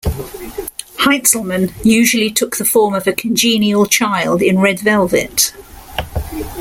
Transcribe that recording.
Heinzelmann usually took the form of a congenial child in red velvet.